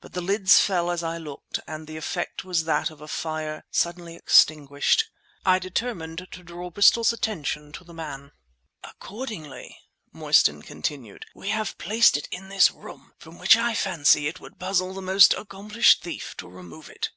But the lids fell as I looked; and the effect was that of a fire suddenly extinguished. I determined to draw Bristol's attention to the man. "Accordingly," Mostyn continued, "we have placed it in this room, from which I fancy it would puzzle the most accomplished thief to remove it."